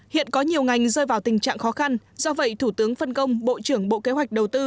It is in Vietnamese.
hiện có nhiều ngành rơi vào tình trạng khó khăn do vậy thủ tướng phân công bộ trưởng bộ kế hoạch đầu tư